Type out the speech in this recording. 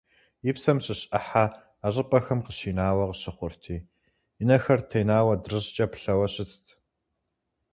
И псэм щыщ Ӏыхьэ а щӀыпӀэхэм къыщинауэ къыщыхъурти, и нэхэр тенауэ адрыщӀкӀэ плъэуэ щытт.